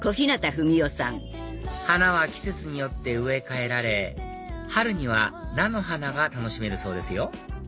花は季節によって植え替えられ春には菜の花が楽しめるそうですよ